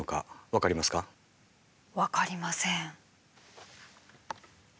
分かりません。